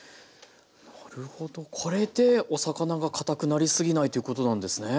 なるほどこれでお魚が堅くなりすぎないということなんですね。